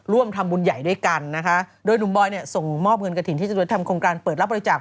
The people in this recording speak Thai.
ร่วมทำบุญใหญ่ด้วยกันนะคะโดยหนุ่มบอยเนี่ยส่งมอบเงินกระถิ่นที่จะโดยทำโครงการเปิดรับบริจาค